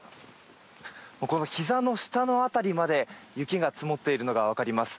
このヒザの下の辺りまで雪が積もっているのがわかります。